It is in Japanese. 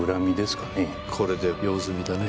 これで用済みだね。